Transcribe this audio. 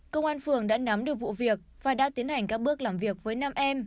công an phường đã nắm được vụ việc và đã tiến hành các bước làm việc với nam em